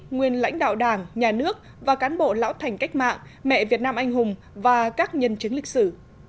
nguyên lãnh đạo đảng nhà nước và cán bộ lão thành cách mạng mẹ việt nam anh hùng và các nhân chứng lịch sử